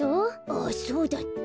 あっそうだった。